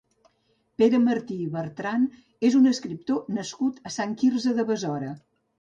Pere Martí i Bertran és un escriptor nascut a Sant Quirze de Besora.